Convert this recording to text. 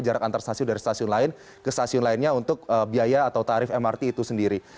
jarak antar stasiun dari stasiun lain ke stasiun lainnya untuk biaya atau tarif mrt itu sendiri